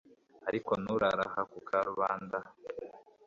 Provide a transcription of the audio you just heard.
ariko nturare aha ku karubanda